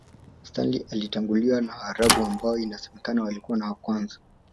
Stanley alitanguliwa na Waarabu ambao inasemakana walikuwa wa kwanza